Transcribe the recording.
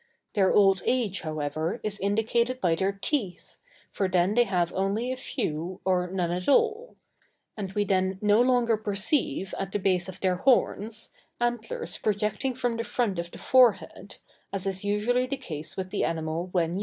Their old age, however, is indicated by their teeth, for then they have only a few, or none at all; and we then no longer perceive, at the base of their horns, antlers projecting from the front of the forehead, as is usually the case with the animal when young.